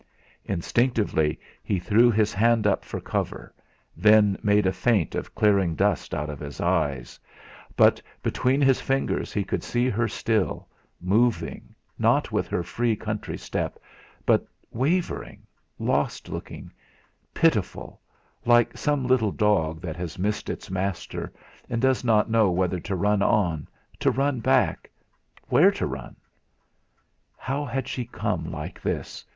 Instinctively he threw his hand up for cover, then made a feint of clearing dust out of his eyes; but between his fingers he could see her still, moving, not with her free country step, but wavering, lost looking, pitiful like some little dog which has missed its master and does not know whether to run on, to run back where to run. How had she come like this?